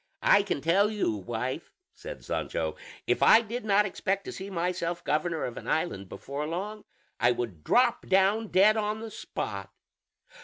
"I can tell you, wife," said Sancho, "if I did not expect to see myself governor of an island before long, I would drop down dead on the spot."